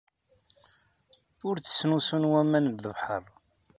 Ur tt-snusun waman n lebḥer.